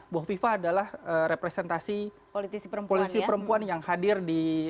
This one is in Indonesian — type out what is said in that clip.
buho viva adalah representasi politisi perempuan yang hadir di